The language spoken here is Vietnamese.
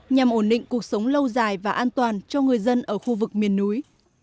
nhằm ổn định cuộc sống lâu dài và an toàn cho người dân ở khu vực miền núi